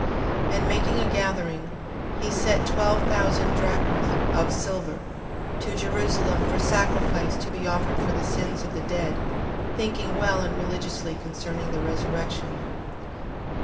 12:43. And making a gathering, he sent twelve thousand drachms of silver to Jerusalem for sacrifice to be offered for the sins of the dead, thinking well and religiously concerning the resurrection.